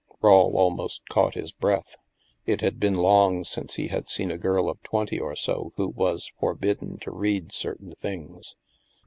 Rawle almost caught his breath. It had been long since he had seen a girl of twenty or so who was forbidden " to read certain things.